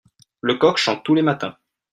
le coq chante tous les matins.